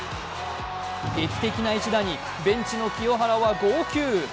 劇的な一打にベンチの清原は号泣。